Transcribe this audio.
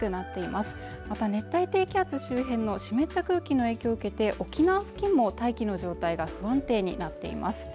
また熱帯低気圧周辺の湿った空気の影響を受けて沖縄付近も大気の状態が不安定になっています